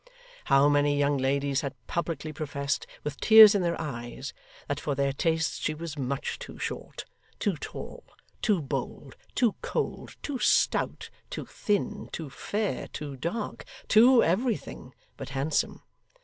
How many young ladies had publicly professed, with tears in their eyes, that for their tastes she was much too short, too tall, too bold, too cold, too stout, too thin, too fair, too dark too everything but handsome!